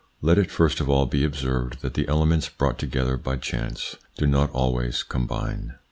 Let it first of all be observed that the elements brought together by chance do not always combine.